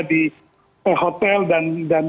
di hotel dan